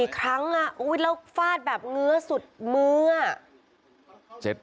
๑๔ครั้งอ่ะแล้วฟาดแบบเนื้อสุดมื้ออ่ะ